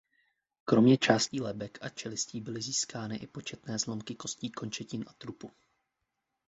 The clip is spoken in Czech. Kromě částí lebek a čelistí byly získány i početné zlomky kostí končetin a trupu.